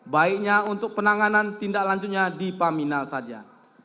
baiknya untuk penanganan tindak lanjutnya di paminal saja